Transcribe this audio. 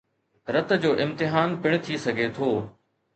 رت جو امتحان پڻ ٿي سگھي ٿو